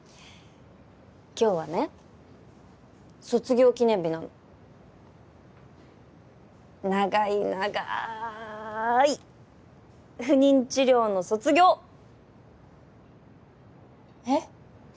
今日はね卒業記念日なの長い長い不妊治療の卒業えっ？